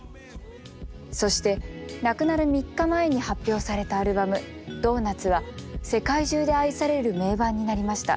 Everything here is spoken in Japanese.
そして亡くなる３日前に発表されたアルバム「ＤＯＮＵＴＳ」は世界中で愛される名盤になりました。